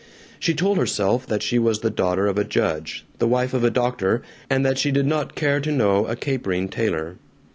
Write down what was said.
She told herself that she was the daughter of a judge, the wife of a doctor, and that she did not care to know a capering tailor.